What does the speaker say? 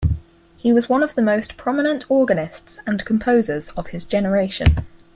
He was one of the most prominent organists and composers of his generation.